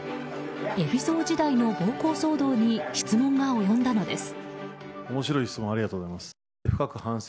海老蔵時代の暴行騒動に質問が及んだのです。